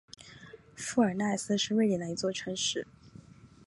博尔奈斯是瑞典的一座城市。